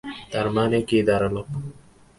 তার মানে কী দাঁড়ালো?